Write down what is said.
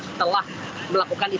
setelah melakukan perjalanan